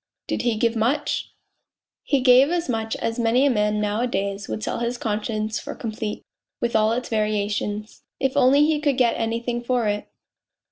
" Did he give much ?"" He gave as much as many a man nowadays would sell his conscience for complete, with all its variations ... if only he could get anything for it.